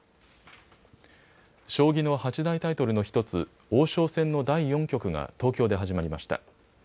将棋の八大タイトルの１つ、王将戦の第４局が東京で始まりました。